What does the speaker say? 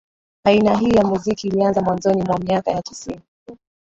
Aina hii ya muziki ilianza mwanzoni mwa miaka ya tisini